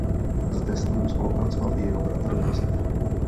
Zde s ním spolupracoval i jeho bratr Josef.